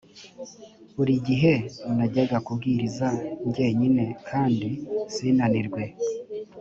buri gihe najyaga kubwiriza jyenyine kandi sinanirwe